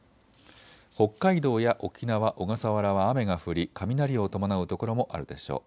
北海道や沖縄、小笠原は雨が降り雷を伴う所もあるでしょう。